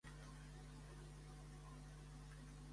Fou enterrat a la catedral de Plasència.